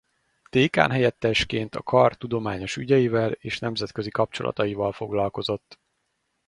Dékánhelyettesként a Kar tudományos ügyeivel és nemzetközi kapcsolataival foglalkozott.